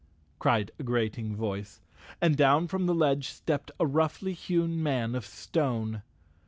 cried a grating voice, and down from the ledge stepped a roughly hewn man of stone.